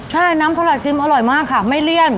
ใช่น้ำสลายซิมอร่อยมากค่ะไม่เลี่ยน